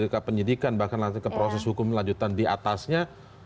ke penyidikan bahkan ke proses hukum lanjutan di atasnya